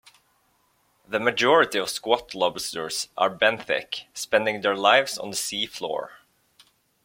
The majority of squat lobsters are benthic, spending their lives on the sea-floor.